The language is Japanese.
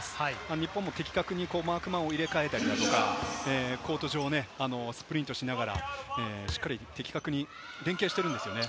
日本も的確にマークマンを入れ替えたり、コート上をスプリントしながら、的確に連係しているんですよね。